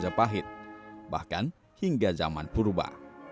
sejak zaman mazapahit bahkan hingga zaman purba